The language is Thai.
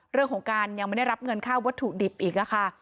เรื่องของการยังไม่ได้รับเงินค่าวัตถุดิบอีกค่ะ